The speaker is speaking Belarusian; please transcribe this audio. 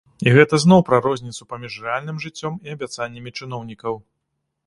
І гэта зноў пра розніцу паміж рэальным жыццём і абяцаннямі чыноўнікаў.